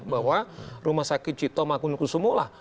bahwa rumah sakit cito makun kusumo lah